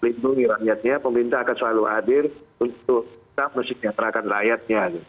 lindungi rakyatnya pemerintah akan selalu hadir untuk tetap mesejahterakan rakyatnya